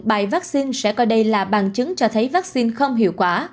bài vaccine sẽ coi đây là bằng chứng cho thấy vaccine không hiệu quả